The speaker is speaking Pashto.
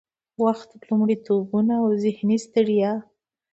وخت، لومړيتوبونه او ذهني ستړيا